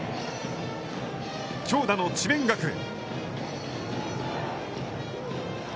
長打の智弁学園。